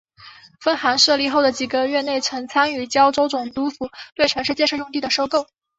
分行设立后的几个月内曾参与胶澳总督府对城市建设用地的收购。